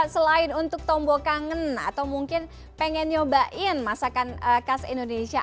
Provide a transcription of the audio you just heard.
selain untuk tombo kangen atau mungkin pengen nyobain masakan khas indonesia